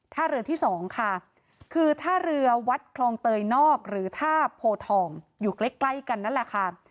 ท่าเรือที่สองค่ะคือท่าเรือวัดคลองเตยนอกหรือท่าโพทองอยู่ใกล้ใกล้กันนั่นแหละค่ะ